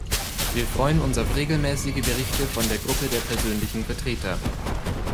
Wir freuen uns auf regelmäßige Berichte von der Gruppe der persönlichen Vertreter.